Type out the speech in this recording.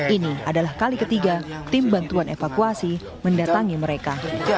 ini adalah kali ketiga tim bantuan evakuasi mendatangi mereka